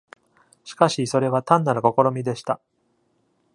しかし、それは単なる試みでした。